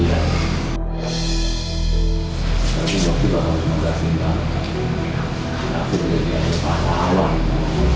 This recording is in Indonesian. gak usah amu murid